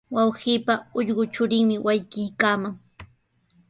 Wawqiipa ullqu churinmi wallkiykaaman.